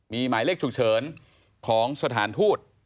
มีหมายเลขฉุกเฉินของสถานทูต